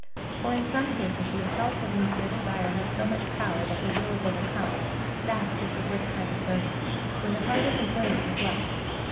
For in some cases the assaults of impure desire have so much power that the will is overcome : that is the worst kind of burning, when the heart is inflamed with lust.